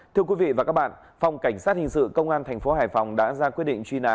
thưa quý vị và các bạn phòng cảnh sát hình sự công an thành phố hải phòng đã ra quyết định truy nã